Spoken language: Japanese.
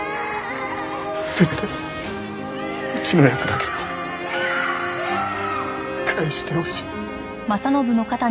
せめてうちの奴だけでも返してほしい。